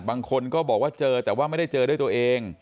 บางคนก็บอกว่าเจอแต่ว่าไม่ได้เจอด้วยตัวเอง